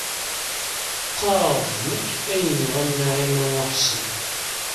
Qqarreɣ-d d nekk ay yenɣan Naɛima u Ḥsen.